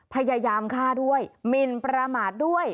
พยายามฆ่าด้วยหมินประมาทด้วย